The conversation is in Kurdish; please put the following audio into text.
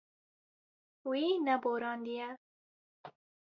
Wî neborandiye.